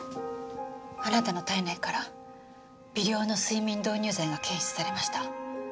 あなたの体内から微量の睡眠導入剤が検出されました。